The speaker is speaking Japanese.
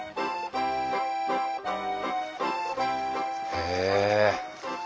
へえ